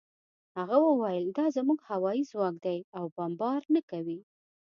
هغه وویل دا زموږ هوايي ځواک دی او بمبار نه کوي